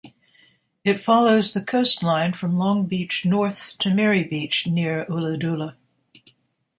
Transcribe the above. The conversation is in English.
It follows the coastline from Long Beach north to Merry Beach near Ulladulla.